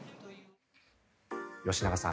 吉永さん